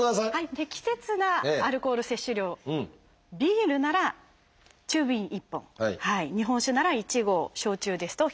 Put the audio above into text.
適切なアルコール摂取量ビールなら中瓶１本日本酒なら１合焼酎ですと１１０ｍＬ。